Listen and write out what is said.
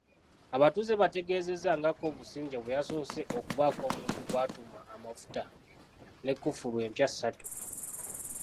Abatuuze bategeezezza nga Kobusingye bwe yasoose okubaako omuntu gw'atuma amafuta ne kkufulu empya ssatu.